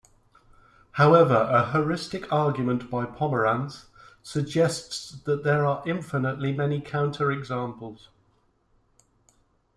However, a heuristic argument by Pomerance suggests that there are infinitely many counterexamples.